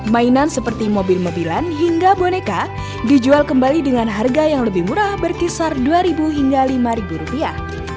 mainan seperti mobil mobilan hingga boneka dijual kembali dengan harga yang lebih murah berkisar dua hingga lima rupiah